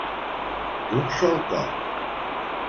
D'un sol cop.